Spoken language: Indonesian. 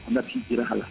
anda dihijirah lah